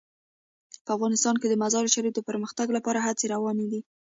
په افغانستان کې د مزارشریف د پرمختګ لپاره هڅې روانې دي.